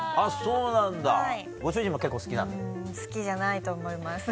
うん好きじゃないと思います。